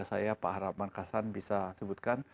saya pak harapan kasan bisa sebutkan